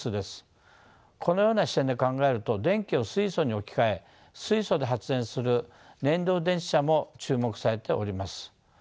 このような視点で考えると電気を水素に置き換え水素で発電する燃料電池車も注目されております。